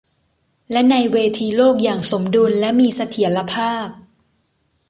และในเวทีโลกอย่างสมดุลและมีเสถียรภาพ